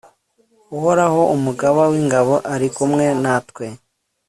uhoraho, umugaba w'ingabo, ari kumwe natwe